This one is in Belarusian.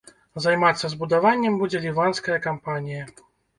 Займацца збудаваннем будзе ліванская кампанія.